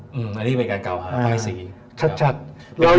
อืมอันนี้เป็นการกล่าวหาภายศรี